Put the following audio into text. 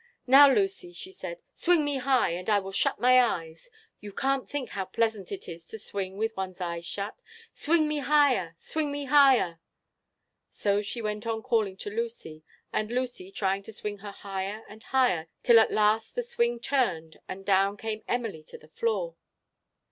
"Now, Lucy," she said, "swing me high, and I will shut my eyes; you can't think how pleasant it is to swing with one's eyes shut. Swing me higher! swing me higher!" So she went on calling to Lucy, and Lucy trying to swing her higher and higher, till at last the swing turned, and down came Emily to the floor.